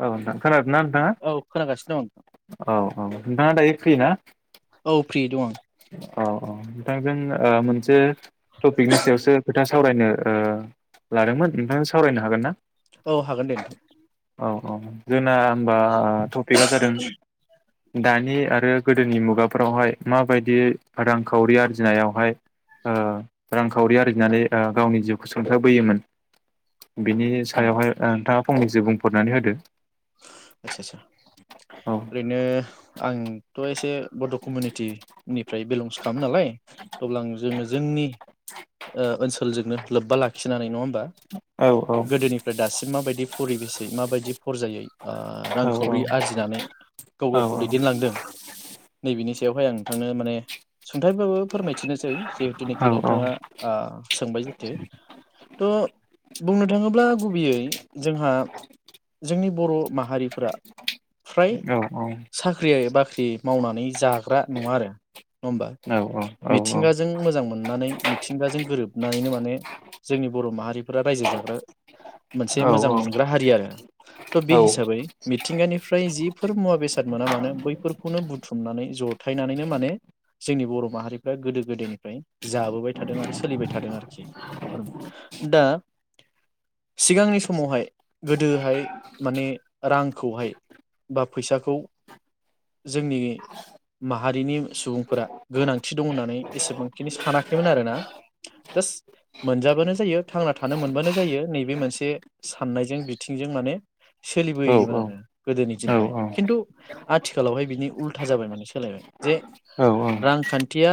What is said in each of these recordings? औ नोंथां खोनादोंना औ खोनागासिनो दं नोंथां नोंथाङा औ औ नोंथाङा दायो फ्रिना? औ फ्रि दं आं अ अ थांजों ओ मोनसे टपिकनि सायावसो बे दास सावरायनो ओ लादोंमोन उमफायनों सावरायनो हागोन ना? औ हागोन दे । औ औ जोना होनबा टपिकआ जादों दानि आरो गोदोनि मुगाफोरावहाय माबायदि रांखावरि आरजिनायावहाय ओ रांखावरि आरजिनानै ओ गावनि जिउखौ सुंथाबोयोमोन । बिनि सायावहाय ओ नोंथाब फंनैसो बुंफोरनानै होदो । आतसा आतसा औ ओरैनो आं थ' एसे बड' कमिउनिटिनिफ्राय बिलंस खालामो नालाय दं थ'अब्ला आं जोङो जोंनि ओ ओनसोलजोंनो लोब्बा लाखिनानै नङा होमबा? औ औ गोदोनिफ्राय दासिम माबायदि फरिबेसयै माबायदि फरजायै आ औ रांखावरि आरजिनानै गाव औ गावखौ दैदेनलांदों नैबेनि स बेवहाय आं नोंथांनो माने सुंथाइबाबो फोरमायथिनोसै । जिहेतुनाखि औ नोंथाङा ओ सोंबाय जाथे थ बुंनो थाङोब्ला गुबैयै जोंहा जोंनि बर' माहारिफोरा फ्राय साख्रिया एबा ख्रि मावनानै जाग्रा नङा आरो नङा होमबा औ औ औ मिथिंगाजों मोजां मोन नानै मिथिंगाजों गोरोबनानैनो माने जोंनि बर' माहारिफोरा रायजो जाग्रा मोनसे औ औ मोजां मोनग्रा हारि आरो ट बे हिस साबै मिथिंगानिफ्राय जिफोर मुवा बेसाद मोना मानो बैफोरखौनो बुथुमनानै जथायनानैनो माने जोंनि बर' माहारिफ्रा गोदो गोदायनिफ्राय जाबोबाय थादों आरो सोलिबाय थादों आरोखि फोर दा सिगांनि समावहाय गोदोहाय माने रांखौहाय बा फैसाखौ जोंनि माहारिनि सुबुंफोरा गोनांथि दं होननानै एसेबांखिनि सानाखैमोन आरोना जास्ट मोनजाबानो जायो थांना थानो मोनबानो जायो नैबे मोनसे साननायजों बिथिंजों माने औ सोलिबोयोमोन आरो गोदोनि दिनावहाय औ खिन्थु आथिखालावहाय बिनि उल्था जाबाय माने सोलायबाय जे औ रांखान्थिया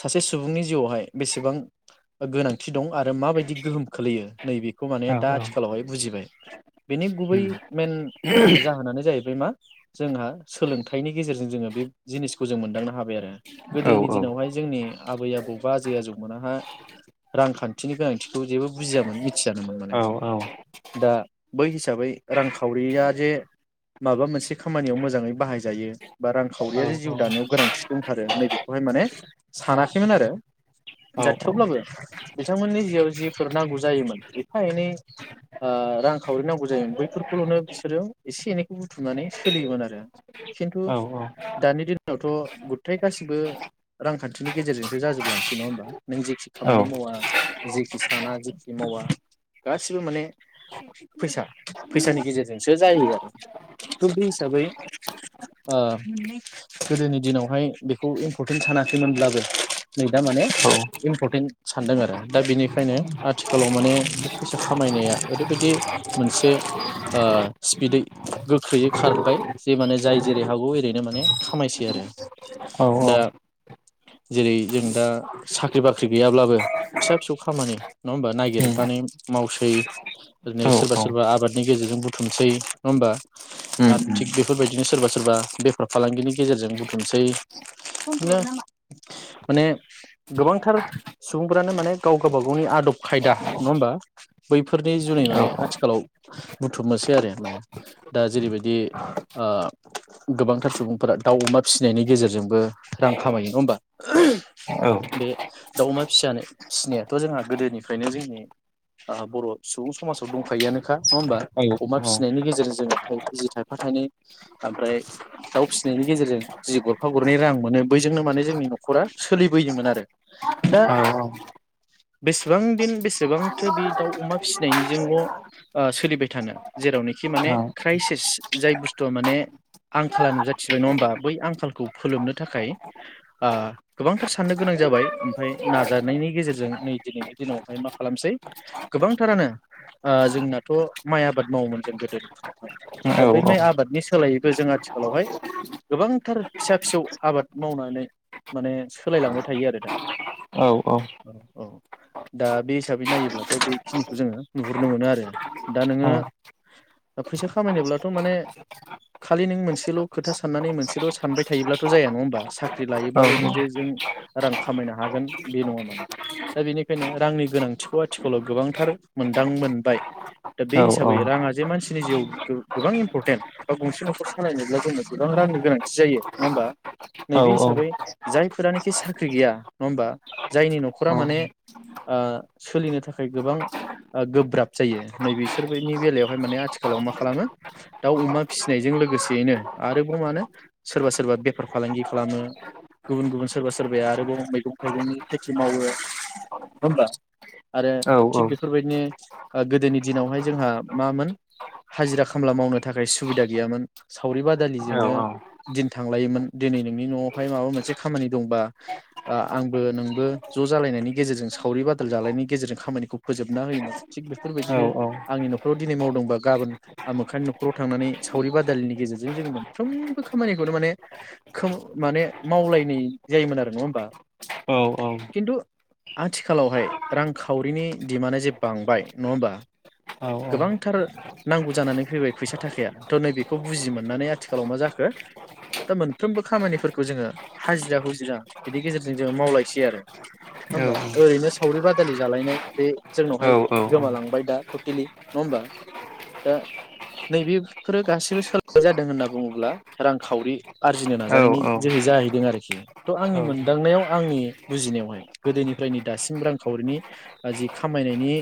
सासे सुबुंनि जिउआवहाय बेसेबां गोनांथि दं आरो माबायदि गोहोम खोलैयो नैबेखौ माने दा आथिखालावहाय बुजिबाय बेनि गुबै मेन जाहोनानो जाहैबाय मा जोंहा सोलोंथाइनि गेजेरजों जोङो बे जिनिसखौ जों मोनदांनो हाबाय आरो औ गोदोनि दिनावहाय जोंनि आबै आबौ बा आजै आजौमोनाहा रांखान्थिनि गोनांथिखौ जेबो बुजियामोन मिथियानोमोन माने दा बै हिसाबै रांखावरिया जे माबा मोनसे खामानियाव मोजाङै बाहायजायो बा रांखावरिया जे जिउ दानायाव गोनांथि दंथारो नैबेखौहाय माने सानाखैमोन आरो दा थेवब्लाबो बिथांमोननि जिआव जिफोर नांगौ जायोमोन एफा एनै आ रांखावरि नांगौ जायोमोन बै बेफोरखौल'नो बिसोरो एसे एनैखौ बुथुमनानै सोलियोमोन आरो खिन्थु दानि दिनावथ गुथाय गासिबो रांखान्थिनि गेजेरजोंसो जाजोबलांसै नङा होमबा नों जेखि खामानि मावा जेखि साना जेखि मावा गासिबो माने फैसा फैसानि गेजेरजोंसो जायो आरो थ बे हिसाबै ओ गोदोनि दिनावहाय बेखौ इम्परटेन्ट सानाखैमोनब्लाबो नै दा माने इम्परटेन्ट सानदों आरो दा बेनिखायनो आथिखालाव माने बे फैसा खामायनाया ओरैबायदि मोनसे ओ स्पिदै गोख्रैयै खारबाय जे माने जाय जेरै हागौ ओरैनो माने खामायसै आरो दा जेरै जों दा साख्रि बाख्रि गैयाब्लाबो फिसा फिसौ खामानि नङा होमबा नागिरनानै मावसै ओरैनो सोरबा सोरबा आबाद नि गेजेरजों बुथुमसै नङा होमबा आरो थिग बेफोरबायदिनो सोरबा सोरबा बेफार फालांगिनि गेजेरजों बुथुमसै बिदिनो माने गोबांथार सुबुंफ्रानो माने गाव गावबा गावनि आदब खायदा नङा होमबा बैफोरनि जुनै माने आथिखालाव बुथुमनोसै आरो माने दा जेरैबायदि आ गोबांथार सुबुंफोरा दाउ अमा फिसिनायनि गेजेरजोंबो रां खामायो नङा होमबा बे दाउ अमा फिसा फिसि फिसिनायाथ जोंहा गोदोनिफ्रायनो जोंनि आ बर' सुबुं समाजाव दंखायोआनो खा नङा होमबा अमा फिसिनायनि गेजेरजों जि थायफा थाइनै ओमफ्राय दाउ फिसिनायनि गेजेरजों जि गरफा गरनै रां मोनो बैजोंनो माने जोंनि न'खरा सोलिबोयोमोन आरो दा बेसेबां दिन बेसेबांथो बे दाउ अमा फिसिनायनिजोंल ओ सोलिबाय थानो जेरावनोखि माने क्राइसिस जाय बुस्थुआ माने आंखाला नुजाथिबाय नङा होमबा बै आंखालखौ फोलोमनो थाखाय आ गोबांथार साननो गोनां जाबाय ओमफाय नाजानायनि गेजेरजों नै दिनैनि दिनावहाय मा खालामसै गोबांथारानो ओ जोंनाथ' माइ आबाद मावोमोन जों गोदोनि दा बेै माइ आबादनि सोलायैखौ जों आथिखालावहाय गोबांथार फिसा फिसौ आबाद मावनानै माने सोलायलांबाय थायो आरो दा औ औ दा बे हिसाबै नायोब्लाथ' बेखिनिखौ जोङो नु गुरनो मोनो आरो दा नोङो फैसा खामायनोब्लाथ' माने खालि नों मोनसेल'खोथा साननानै मोनसेल' सानबाय थायोब्लाथ' जाया नङा होमबा साख्रि लायोबाल'नो जे जों रां खामायनो हागोन बे नङा माने दा बेनिखायनो रांनि गोनांथिखौ आथिखालाव गोबांथार मोन दां मोनबाय दा बे हिसाबै राङा जे मानसिनि जिउआव गोबां इम्परटेन्ट बा गंसे न'खर सालायनोब्ला जोंनो गोबां रांनि गोनांथि जायो नङा होमबा नैबे हिसाबै जायफोरानोखि साख्रि गैया नङा होमबा जायनि न'खरा माने सोलिनो थाखाय गोबां ओ गोब्राब जायो नैबेसोरनि बेलायावहाय माने आथिखालाव मा खालामो दाउ अमा फिसिनायजों लोगोसेयैनो आरोबाव मानो सोरबा सोरबा बेफार फालांगि खालामो गुबुन गुबुन सोरबा सोरबाया आरोबाव मैगं थाइगंनि खेथि मावो नङा होमबा आरो थिग बे बेफोरबायदिनो ओ गोदोनि दिनावहाय जोंहा मामोन हाजिरा खामला मावनो थाखाय सुबिदा गैयामोन सावरि बादालिजोंनो दिन थांलायोमोन दिनै नोंनि नआवहाय माबा मोनसे खामानि दंबा आंबो नोंबो जजालायनायनि गेजेरजों सावरि बादाल जालायनायनि गेजेरजों खामानिखौ फोजोबना होयोमोन थिग बेफोरबायदिनो आंनि नखराव दिनै मावदोंबा गाबोन आमोखानि नखराव थांनानै सावरि बादालिनि गेजेरजों जोङो मोनफ्रोमबो खामानिखौनो माने खोम माने मावलायनाय जायोमोन आरो नङा होमबा खिन्थु आथिखालावहाय रांखावरिनि दिमान्डआ जे बांबाय नङा होमबा? गोबांथार नांगौ जानानै फैबाय फैसा थाखाया थ' नैबेखौ बुजि मोननानै आथिखालाव मा जाखो दा मोनफ्रोमबो खामानिफोरखौ जोङो हाजिरा हुजिरा बिनि गेजेरजों जोङो मावलायसै आरो नङा होमबा ओरैनो सावरि बादालि जालायनाय बे जोंनावहाय गोमालांबाय दा गेलि नङा होमबा दा नैबेफोरो गासैबो सोलोंनाय जादों होनना बुङोब्ला रांखावरि आरजिनो नाजानायनि जोहै जाहैदों आरोखि थ' आंनि मोनदांनायाव आंनि बुजिनायावहाय गोदोनिफ्रायनो दासिम रांखावरिनि जि खामायनायनि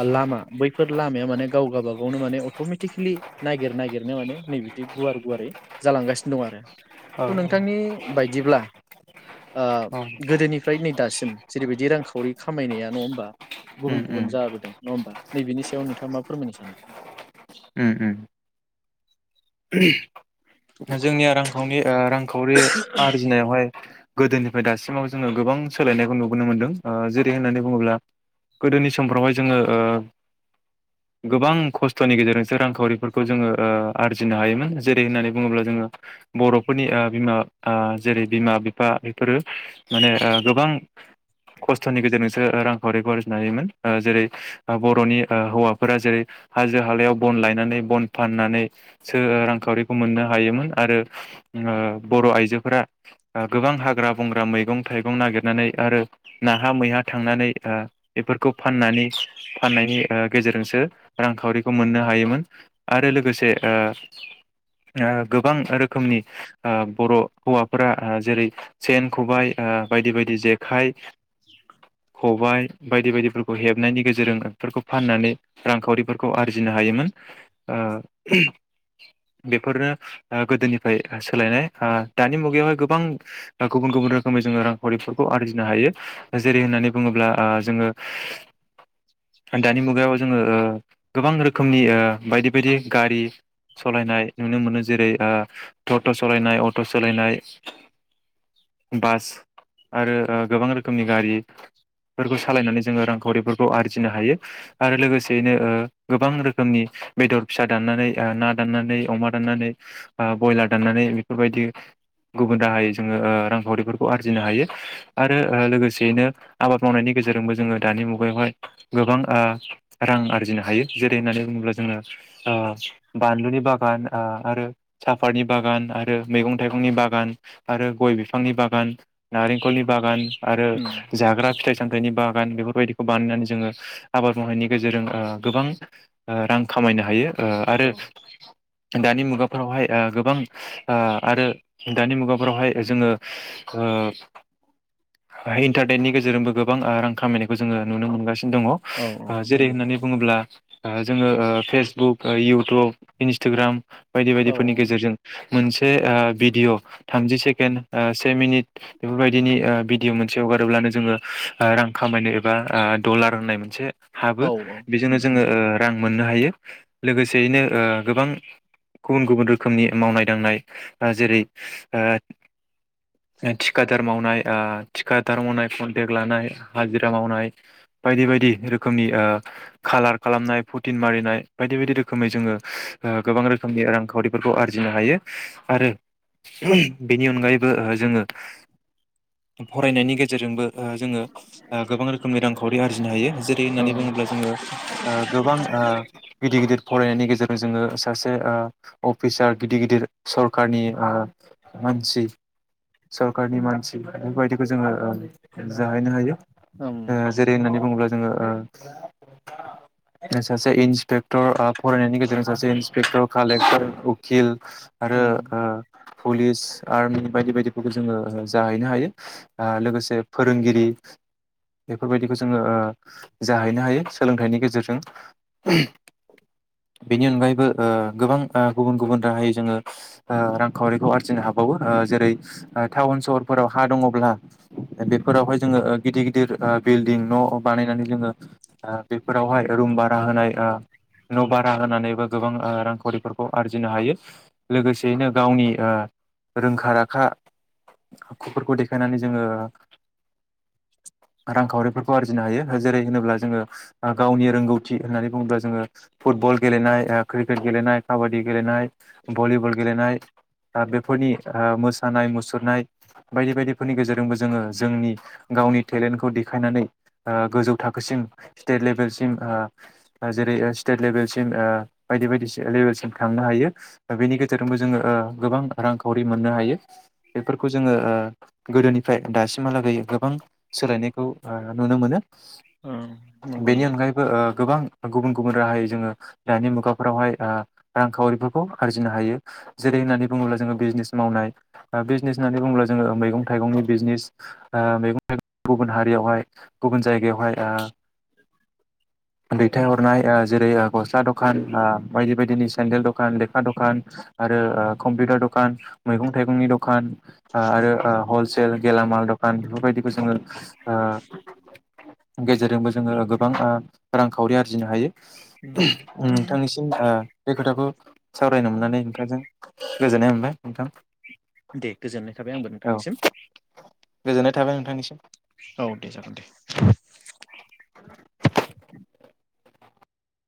आ लामा बैफोर लामाया माने गाव गावबागावनो माने अटमेटिकेलि नागिर नागिरनो माने नै बिदि गुवार गुवारै जालांगासिनो दं आरो थ' नोंथांनि बायदिब्ला आ गोदोनिफ्राय नै दासिम जेरैबायदि रांखावरि खामायनाया नङा होमबा गुबुन औ गुबुन औ जाबोदों नङा होमबा? नैबेनि सायाव नोंथाङा मा फोरमायनो सानो? उम उम जोंनिया रांखावनि आ रांखावरि आरजिनायावहाय गोदोनिफ्राय दासिमाव जोङो गोबां सोलायनायखौ नुबोनो मोनदों ओ जेरै होननानै बुङोब्ला गोदोनि समफ्रावहाय जोङो ओ गोबां खस्थ'नि गेजेरजोंसो रांखावरिफोरखौ जोङो ओ आरजिनो हायोमोन जेरै होननानै बुङोब्ला जोङो बर'फोरनि ओ बिमा ओ जेरै बिमा बिफा बेफोरो माने ओ गोबां खस्थ'नि गेजेरजोंसो ओ रांखावरिखौ आरजिनो हायोमोन ओ जेरै ओ बर'नि ओ‌ हौवाफोरा जेरै हाजो हालायाव बन लायनानै बन फाननानै सो ओ रांखावरि खौ मोननो हायोमोन आरो ओ बर' आइजोफोरा ओ गोबां हाग्रा बंग्रा मैगं थाइगं नागिरनानै आरो नाहा मैहा थांनानै आ बेफोरखौ फाननानै फाननायनि ओ गेजेरजोंसो रांखावरिखौ मोननो हायोमोन आरो लोगोसे ओ ओब गोबां रोखोमनि ओब बर' हौवाफोरा ओ जेरै सेन, खबाइ ओ बायदि बायदि जेखाइ, खबाय बायदि बायदिफोरखौ हेबनायनि गेजेरजों बेफोरखौ फाननानै रांखावरिफोरखौ आरजिनो हायोमोन। ओ बेफोरनो ओ गोदोनि फाय सोलायनाय। ओ दानि मुगायावहाय गो गोबां ओ गुबुन गुबुन रोखोमै जोङो रांखावरिफोरखौ आरजिनो हायो। जेरै होननानै बुङोब्ला ओ जोङो आ दानि मुगायाव जोङो ओ गोबां रोखोमनि ओ बायदि बायदि गारि सलायनाय नुनो मोनो। जेरै ट'ट' सलायनाय अट' सलायनाय बास आरो ओ गोबां रोखोमनि गारिफोरखौ सालायनानै जोङो रांखावरिफोरखौ आरजिनो हायो। आरो लोगोसेयैनो ओ गोबां रोखोमनि बेदर फिसा दाननानै ओ ना दाननानै अमा दाननानै ओ बयलार दाननानै बेफोरबायदि गुबुन राहायै जोङो ओ रांखावरिफोरखौ आरजिनो हायो। आरो ओ लोगोसेयैनो आबाद मावनायनि गेजेरजोंबो जोङो दानि मुगायावहाय गोबां ओ रां आरजिनो हायो। जेरै होननानै बुङोब्ला जोङो ओ बानलुनि बागान आरो साफातनि बागान आरो मैगं थाइगंनि बागान आरो गय बिफांनि बागान नारेंखलनि बागान आरो उम जाग्रा फिथाइ सामथायाइनि बा गान बेफोरबायदिखौ बानायनानै जोङो आबाद मावनायनि गेजेरजों ओ गोबां रां खामायनो हायो। ओ आरो औ दानि मुगाफोरावहाय ओ गोबां ओ आरो दानि मुगाफोरावहाय जोङो ओ इन्टारनेटनि गेजेरजोंबो गोबां ओरां खामायनायखौ जोङो नुनो मोनगासिनो दङ। ओ औ औ जेरै नंगौ होननानै बुङोब्ला ओ जोङो फेसबुक ओ इउटुब इन्सटाग्राम बायदि औ बायदिफोरनि गेजेरजों मोनसे ओ भिडिय' थामजि सेकेणड ओ से मिनिट बेफोरबायदिनि ओ भिडिय' मोनसे हगारोब्लानो जोङो ओ रां खामायनो एबा ओ डलार होननाय मोनसे औ हाबो। औ बेजोंनो जोङो उम ओ रां मोननो हायो। लोगोसेयैनो ओ गोबां गुबुन गुबुन रोखोमनि मावनाय दांनाय ओ जेरै थिखादार मावनाय ओ थिखादार मावनाय कन्टेक् लानाय हाजिरा मावनाय बायदि बायदि रोखोमनि ओ खालार खालामनाय प्रटिन मारिनाय बायदि बायदि रोखोमै जोङो ओ गोबां रोखोमनि रांखावरिफोरखौ आरजिनो हायो। आरो बेनि अनगायैबो जोङो फरायनायनि गेजेरजोंबो जोङो ओ गोबां रोखोमनि रांखावरि आरजिनो हायो। जेरै औ होननानै बुङोब्ला जोङो ओ गोबां ओ गिदिर गिदिर फरायनायनि गेजेर जों जोङो सासे ओ अफिसार गिदिर गिदिर सरखारनि ओ मानसि सरखारनि मानसि बेफोरबायदिखौ जोङो ओ जाहैनो हायो। ओम ओ जेरै होननानै बुङोब्ला जोङो ओ सासे इन्सपेक्टर ओ फरायनायनि गेजेरजों सासे इन्सपेक्टर, कालेक्टर, उखिल, आरो उम ओ पुलिस, आर्मि बायदि बायदिफोरखौ जोङो जाहैनो हायो। ओ लोगोसे फोरोंगिरि बेफोरबायदिखौ जोङो ओ जाहैनो हायो सोलोंथाइनि गेजेरजों। बेनि अनगायैबो ओ गोबां ओ गुबुन गुबुन राहायै जोङो ओ रांखावरिखौ आरजिनो हाबावो। ओ जेरै टाउन सहरफोराव हा दङब्ला बेफोरावहाय जोङो ओ गिदिर गिदिर ओ बिल्डिं न' बानायनानै जोङो ओ बेफोरावहाय रुम बारा होनाय ओ न' बा रा होनानैबो गोबां ओ रांखावरिफोरखौ आरजिनो हायो। लोगोसेयैनो गावनि ओ रोंखा राखा आखुफोरखौ देखायनानै जोङो रांखावरिफोरखौ आरजिनो हायो। जेरै होनोब्ला जोङो गावनि रोंगौथि होननानै बुङोब्ला जोङो फुटबल गेलेनाय ओ क्रिकेट गेलेनाय काबादि गेलेनाय भलिबल गेलनाय ओ बेफोरनि ओ मोसानाय मुसुरनाय बायदि बायदिफोरनि गेजेरजोंबो जोङो जोंनि गावनि टेलेन्टखौ देखायनानै ओ गोजौ थाखोसिम स्टेट लेभेलसिम ओ जेरै स्टेट लेभेलसिम ओ बायदि बायदि लेबेलसिम थांनो हायो। बेनि गेजेरजोंबो जोङो ओ गोबां रांखावरि मोननो हायो। बेफोरखौ जोङो ओ गोदोनिफ्राय दासिमहालागै गोबां सोलायनायखौ ओ नुनो मोनो। अ नंगौ बेनि नंगौ। अनगायैबो ओ गोबां गुबुन गुबुन गुबुन राहायै जोङो दानि मुगाफोरावहाय रांखावरिफोरखौ आरजिनो हायो जेरै होननानै बुङोब्ला जोङो बिजनेस मावनाय बिजनेस होननानै बुङोब्ला जोङो मैगं थाइगंनि बिजनेस मैगं थाइगं गुबुन हारियावहाय गुबुन जायगायावहाय दैथायहरनाय ओ जेरै ओ गस्ला दखान ओ बायदि बायदिनि सेन्देल दखान लेखा दखान आरो ओ कम्पिउटार दखान मैगं थाइगंनि दखान ओ आरो ओ हलसेल गेलामाल दखान बेफोरबायदिखौ जोङो ओ गेजेरजोंबो जोङो गोबां ओ रांखावरि आरजिनो हायो। उम नोंथांनिसिम ओ बे खोथाखौ सावरायनो मोननानै नोंथांजों गोजोननाय मोनबाय नोंथां। दे गोजोननाय थाबाय आंबो औ नोंथांनिसिम गोजोननाय थाबाय नोंथांनिसिम औ दे जागोन दे [unintelligible]